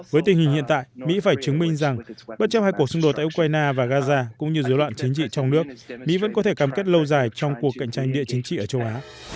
với tình hình hiện tại mỹ phải chứng minh rằng bất chấp hai cuộc xung đột tại ukraine và gaza cũng như dối loạn chính trị trong nước mỹ vẫn có thể cam kết lâu dài trong cuộc cạnh tranh địa chính trị ở châu á